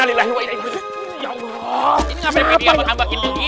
tidak ada tolong